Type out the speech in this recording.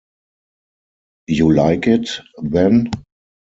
You like it, then?